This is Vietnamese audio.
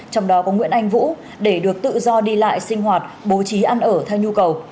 trong đó có nguyễn anh vũ để được tự do đi lại sinh hoạt bố trí ăn ở theo nhu cầu